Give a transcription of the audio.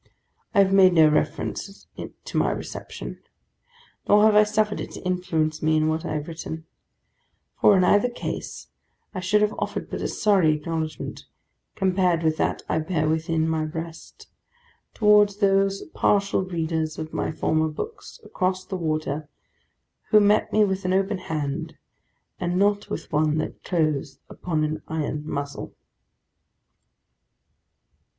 I have made no reference to my reception, nor have I suffered it to influence me in what I have written; for, in either case, I should have offered but a sorry acknowledgment, compared with that I bear within my breast, towards those partial readers of my former books, across the Water, who met me with an open hand, and not with one that closed upon an iron muzzle.